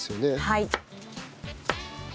はい。